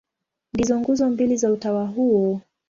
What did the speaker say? Ndizo nguzo mbili za utawa huo.